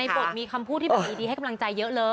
บทมีคำพูดที่แบบดีให้กำลังใจเยอะเลย